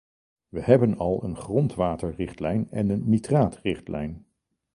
We hebben al een grondwaterrichtlijn en een nitraatrichtlijn.